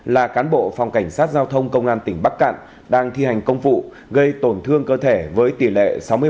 là cán bộ phòng cảnh sát giao thông công an tỉnh bắc cạn đang thi hành công vụ gây tổn thương cơ thể với tỷ lệ sáu mươi bảy